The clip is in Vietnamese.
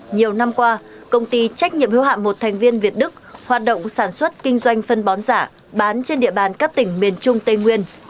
nhiều năm qua công ty trách nhiệm hưu hạm một thành viên việt đức hoạt động sản xuất kinh doanh phân bón giả bán trên địa bàn các tỉnh miền trung tây nguyên